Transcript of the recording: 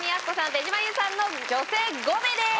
手島優さんの女性５名です